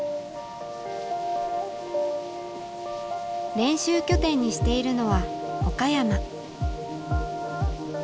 練習拠点にしているのは岡山。